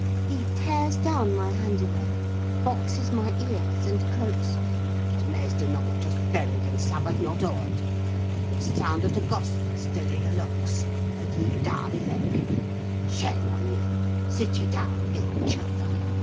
He tears down my handiwork, boxes my ears, and croaks: "'T' maister nobbut just buried, and Sabbath not o'ered, und t' sound o' t' gospel still i' yer lugs, and ye darr be laiking! Shame on ye! sit ye down, ill childer!